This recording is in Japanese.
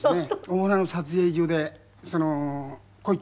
大船の撮影所で。